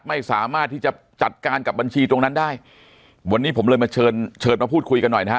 ไม่สามารถที่จะจัดการกับบัญชีตรงนั้นได้วันนี้ผมเลยมาเชิญเชิญมาพูดคุยกันหน่อยนะฮะ